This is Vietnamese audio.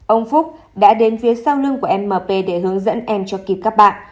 ông phúc đã đến phía sau lưng của mp để hướng dẫn em cho kịp các bạn